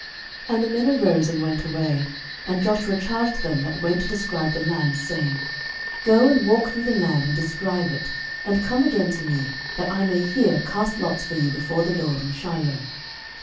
06:018:008 And the men arose, and went away: and Joshua charged them that went to describe the land, saying, Go and walk through the land, and describe it, and come again to me, that I may here cast lots for you before the LORD in Shiloh.